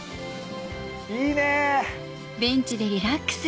いいね！